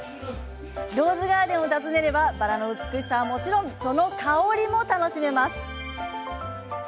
ローズガーデンを訪ねればバラの美しさはもちろんその香りも楽しめます。